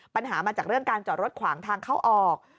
ปัญหามาจากเรื่องการจอดรถขวางทางเข้าออก